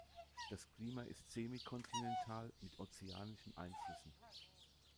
Das Klima ist semi-kontinental mit ozeanischen Einflüssen.